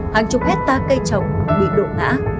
hàng chục hectare cây trồng bị đổ ngã